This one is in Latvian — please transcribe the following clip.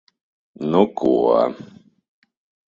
Nu ko...